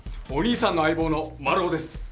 お兄さんの相棒のマルオです。